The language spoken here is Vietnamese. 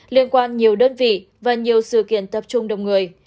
liên quan nhiều đơn vị và nhiều sự kiện tập trung đông người